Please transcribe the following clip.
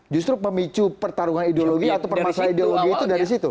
justru pemicu pertarungan ideologi atau permasalahan ideologi itu dari situ